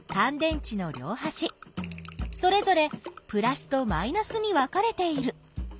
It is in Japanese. それぞれプラスとマイナスに分かれている。